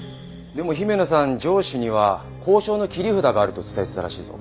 でも姫野さん上司には交渉の切り札があると伝えていたらしいぞ。